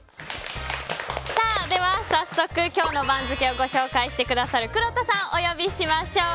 では早速、今日の番付をご紹介してくださるくろうとさんをお呼びしましょう。